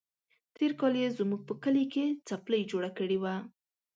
تېر کال يې زموږ په کلي کې څپلۍ جوړه کړې وه.